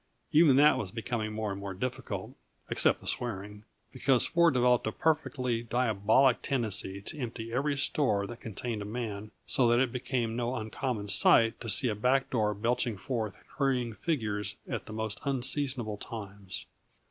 Even that was becoming more and more difficult except the swearing because Ford developed a perfectly diabolic tendency to empty every store that contained a man, so that it became no uncommon sight to see a back door belching forth hurrying figures at the most unseasonable times.